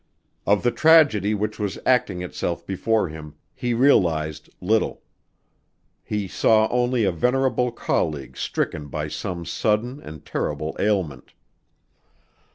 Of the tragedy which was acting itself before him he realized little. He saw only a venerable colleague stricken by some sudden and terrible ailment.